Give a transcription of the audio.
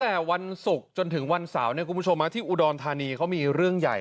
แต่วันศุกร์จนถึงวันเสาร์เนี่ยคุณผู้ชมที่อุดรธานีเขามีเรื่องใหญ่